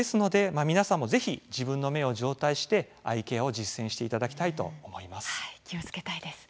ぜひ、自分の目を状態してアイケアを実践していただきたいと思います。